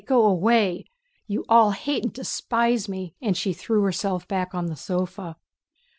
Go away! You all hate and despise me!" and she threw herself back on the sofa.